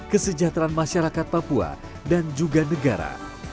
kesejahteraan masyarakat papua dan juga negara